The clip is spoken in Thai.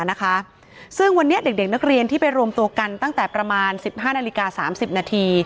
นะคะซึ่งวันนี้เด็กเด็กนักเรียนที่ไปรวมตัวกันตั้งแต่ประมาณ๑๕นาฬิกา๓๐นาที